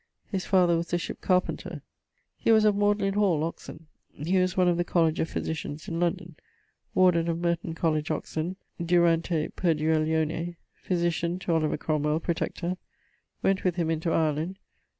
His father was a ship carpenter. He was of Magdalen hall, Oxon. He was one of the College of Physitians, in London; Warden of Merton College, Oxon, durante perduellione; physitian to Oliver Cromwell, Protector; went with him into Ireland.